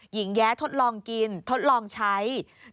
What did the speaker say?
แย้ทดลองกินทดลองใช้